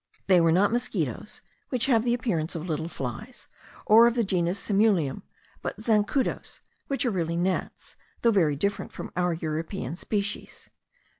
They were not mosquitos, which have the appearance of little flies, or of the genus Simulium, but zancudos, which are really gnats, though very different from our European species.